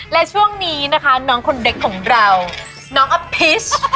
และช่วงนี้นะคะน้องคนเด็กของเราน้องอภิษ